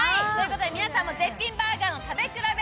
皆さんも絶品バーガーの食べ比べ